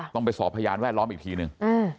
ต้องไปสอบพยานแวดล้อมอีกทีหนึ่ง